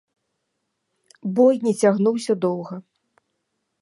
Бой не цягнуўся доўга.